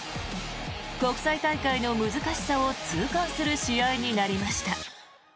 国際大会の難しさを痛感する試合になりました。